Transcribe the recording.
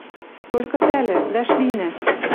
Толькы пӓлӹ — вӓшлинӓ.